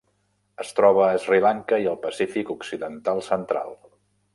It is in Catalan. Es troba a Sri Lanka i el Pacífic occidental central.